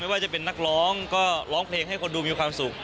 ว่าจะเป็นนักร้องก็ร้องเพลงให้คนดูมีความสุข